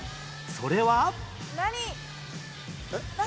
それは？